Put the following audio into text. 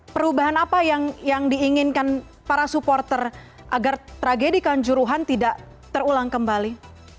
perubahan apa yang diinginkan para supporter agar tragedi kanjuruhan tidak terulang kembali